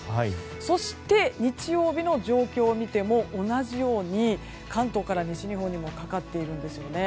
そして、日曜日の状況を見ても同じように、関東から西日本にもかかっているんですよね。